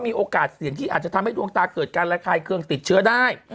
มีโอกาสเสี่ยงที่อาจจะทำให้ดวงตาเกิดการระคายเครื่องติดเชื้อได้